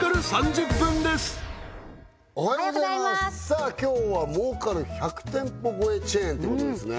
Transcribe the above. さあ今日は儲かる１００店舗超えチェーンってことですね